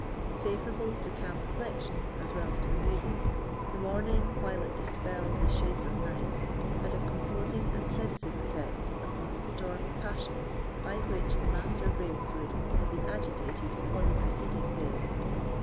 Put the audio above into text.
Favourable to calm reflection, as well as to the Muses, the morning, while it dispelled the shades of night, had a composing and sedative effect upon the stormy passions by which the Master of Ravenswood had been agitated on the preceding day.